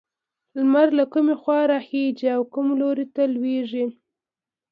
لمر له کومې خوا راخيژي او کوم لور ته لوېږي؟